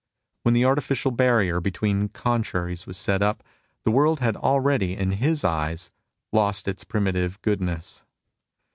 When the artificial barrier between contraries was set up, the world had already, in his eyes, lost its primitive good ness.